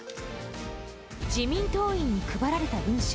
自民党員に配られた文書。